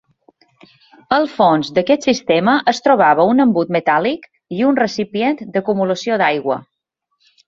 Al fons d'aquest sistema es trobava un embut metàl·lic i un recipient d'acumulació d'aigua.